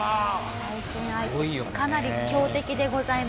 対戦相手はかなり強敵でございます。